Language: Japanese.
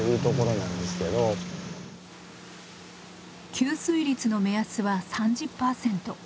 吸水率の目安は３０％。